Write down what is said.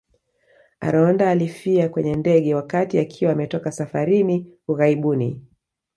Aronda alifia kwenye ndege wakati akiwa ametoka safarini ughaibuni